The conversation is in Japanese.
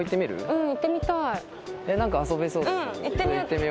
うん。